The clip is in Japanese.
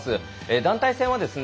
団体戦はですね